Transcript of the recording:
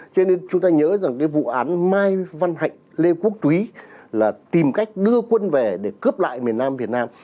cho nên chúng ta nhớ rằng cái vụ án mai văn hạnh lê quốc túy là tìm cách đưa quân về để cướp lại miền nam việt nam